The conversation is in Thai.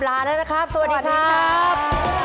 ลาแล้วนะครับสวัสดีครับ